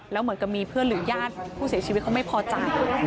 แล้วเหมือนกับมีเพื่อนหรือญาติผู้เสียชีวิตเขาไม่พอใจ